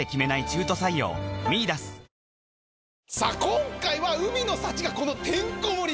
今回は海の幸がてんこ盛り。